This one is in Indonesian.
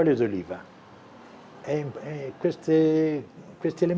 perasaan oregano basil dan olio